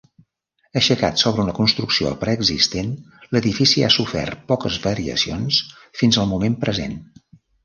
Aixecat sobre una construcció preexistent, l'edifici ha sofert poques variacions fins al moment present.